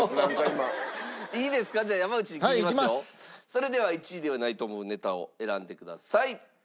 それでは１位ではないと思うネタを選んでください。